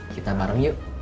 kita bareng yuk